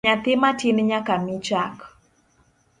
Nyathi matin nyaka mii chak